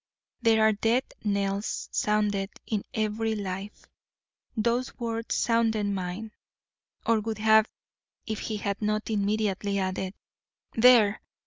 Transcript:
There are death knells sounded in every life; those words sounded mine, or would have if he had not immediately added: 'There!